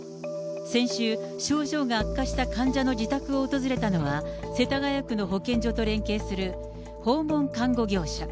先週、症状が悪化した患者の自宅を訪れたのは、世田谷区の保健所と連携する訪問看護業者。